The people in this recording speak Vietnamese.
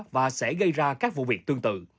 và sẽ gây ra các vụ việc tương tự